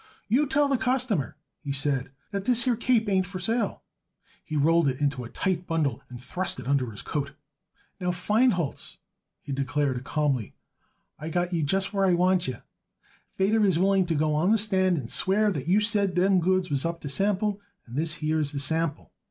"You tell the customer," he said, "that this here cape ain't for sale." He rolled it into a tight bundle and thrust it under his coat. "Now, Feinholz," he declared calmly, "I got you just where I want you. Feder is willing to go on the stand and swear that you said them goods was up to sample, and this here is the sample.